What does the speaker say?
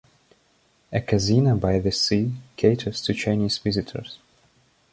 A casino by the sea caters to Chinese visitors.